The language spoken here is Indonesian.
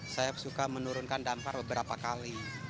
saya suka menurunkan dampar beberapa kali